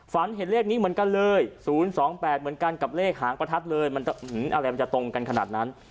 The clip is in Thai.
ฝันเห็นเลขนี้เหมือนกันเลย๐๒๘เหมือนกันกับเลขหางประทัดเลยอะไรมันจะตรงกันขนาดนั้น